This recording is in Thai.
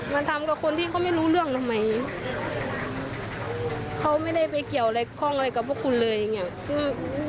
มันทำกับคนที่เขาไม่รู้เรื่องทำไมเขาไม่ได้ไปเกี่ยวอะไรข้องอะไรกับพวกคุณเลยอย่างเงี้ย